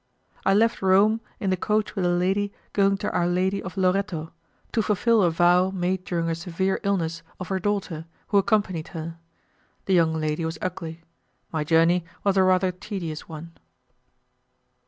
I left Rome in the coach with a lady going to Our Lady of Loretto, to fulfil a vow made during a severe illness of her daughter, who accompanied her. The young lady was ugly; my journey was a rather tedious one.